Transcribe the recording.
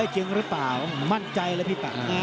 จริงหรือเปล่ามั่นใจเลยพี่ปะ